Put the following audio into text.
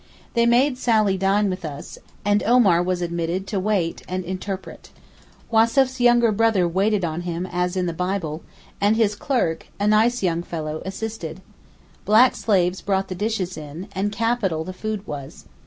They made Sally dine with us, and Omar was admitted to wait and interpret. Wassef's younger brother waited on him as in the Bible, and his clerk, a nice young fellow, assisted. Black slaves brought the dishes in, and capital the food was.